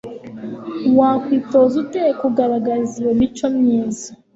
wakwitoza ute kugaragaza iyo mico myiza